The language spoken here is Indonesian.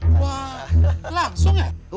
wah langsung ya